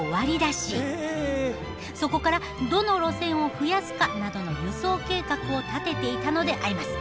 そこからどの路線を増やすかなどの輸送計画を立てていたのであります。